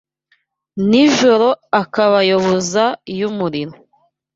nijoro akabayoboza iy’umuriro.